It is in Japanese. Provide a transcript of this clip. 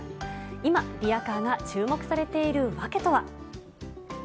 今、リヤカーが注目されている訳とは。